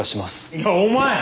いやお前。